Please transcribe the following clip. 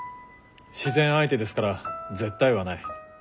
自然相手ですから絶対はない。